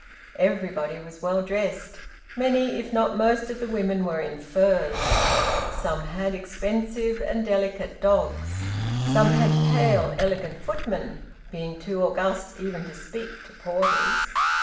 Everybody was well dressed; many if not most of the women were in furs; some had expensive and delicate dogs; some had pale, elegant footmen, being too august even to speak to porters.